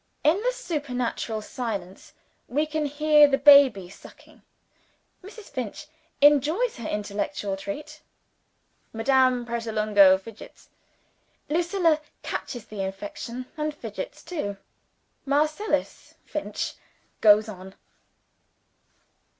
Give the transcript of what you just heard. In the supernatural silence, we can hear the baby sucking. Mrs. Finch enjoys her intellectual treat. Madame Pratolungo fidgets. Lucilla catches the infection, and fidgets too. Marcellus Finch goes on.